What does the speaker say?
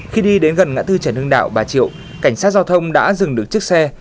khi đi đến gần ngã tư trần hưng đạo bà triệu cảnh sát giao thông đã dừng được chiếc xe